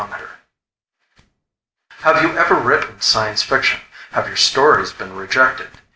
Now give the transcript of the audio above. net _Have you ever written science fiction? Have your stories been rejected?